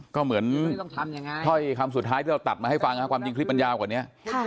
ก็เหมือนถ้อยคำสุดท้ายที่เราตัดมาให้ฟังความจริงคลิปมันยาวกว่านี้